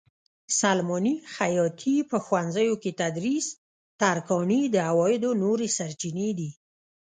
سلماني؛ خیاطي؛ په ښوونځیو کې تدریس؛ ترکاڼي د عوایدو نورې سرچینې دي.